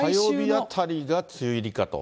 火曜日あたりが梅雨入りかと。